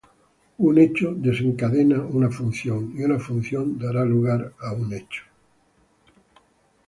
Un Evento desencadena una Función; y una Función dará lugar a un Evento.